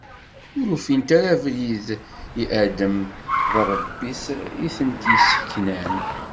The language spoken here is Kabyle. Ur ufint ara abrid i Adem d Ṛebbi-s i tent-yesseknan.